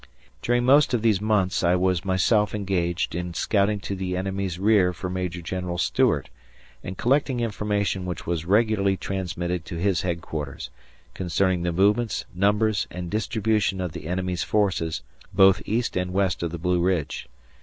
During most of these months I was myself engaged in scouting in the enemy's rear for Major General Stuart and collecting information which was regularly transmitted to his headquarters, concerning the movements, numbers, and distribution of the enemy's forces both east and west of the Blue Ridge.